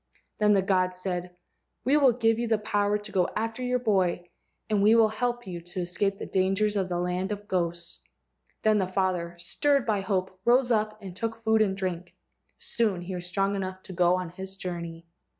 Then the gods said, "We will give you the power to go after your boy and we will help you to escape the dangers of the land of ghosts." Then the father, stirred by hope, rose up and took food and drink. Soon he was strong enough to go on his journey. * Piper methysticum.